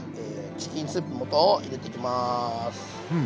チキンスープの素を入れていきます。